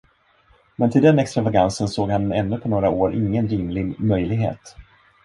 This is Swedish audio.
Men till den extravagansen såg han ännu på några år ingen rimlig möjlighet.